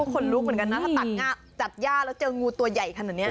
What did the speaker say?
โอ้คนลุกเหมือนกันนะถ้าตัดหญ้าตัดหญ้าแล้วเจองูตัวใหญ่ขนาดนี้